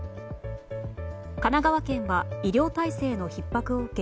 神奈川県は医療体制のひっ迫を受け